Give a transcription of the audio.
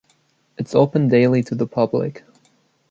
It's open daily to the public.